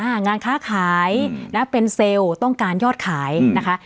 งานค้าขายนะเป็นเซลล์ต้องการยอดขายนะคะ